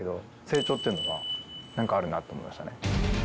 成長っていうのが何かあるなと思いましたね。